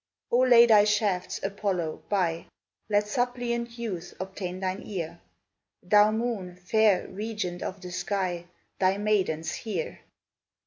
O lay thy shafts, Apollo, by! Let suppliant youths obtain thine ear! Thou Moon, fair "regent of the sky," Thy maidens hear!